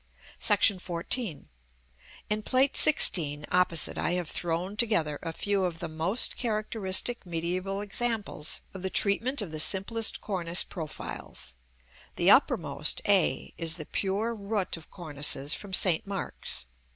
[Illustration: Plate XVI. CORNICE DECORATION.] § XIV. In Plate XVI., opposite, I have thrown together a few of the most characteristic mediæval examples of the treatment of the simplest cornice profiles: the uppermost, a, is the pure root of cornices from St. Mark's.